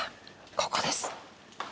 ここです。